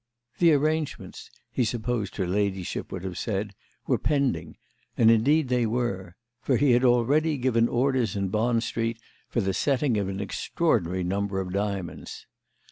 The arrangements, he supposed her ladyship would have said, were pending, and indeed they were; for he had already given orders in Bond Street for the setting of an extraordinary number of diamonds.